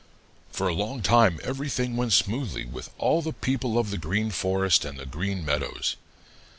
"For a long time everything went smoothly with all the people of the Green Forest and the Green Meadows.